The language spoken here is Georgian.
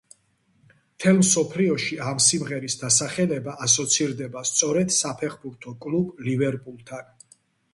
მთელ მსოფლიოში ამ სიმღერის დასახელება ასოცირდება სწორედ საფეხბურთო კლუბ „ლივერპულთან“.